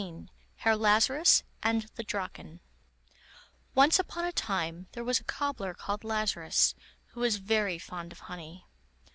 ] Herr Lazarus and the Draken Once upon a time there was a cobbler called Lazarus, who was very fond of honey.